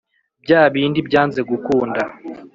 byabindi byanze gukunda